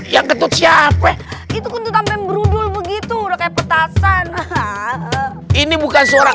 yang ketut siapa itu kutu tampil berudul begitu rakyat petasan ini bukan suara